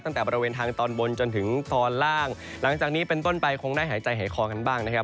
ตั้งแต่บริเวณทางตอนบนจนถึงตอนล่างหลังจากนี้เป็นต้นไปคงได้หายใจหายคอกันบ้างนะครับ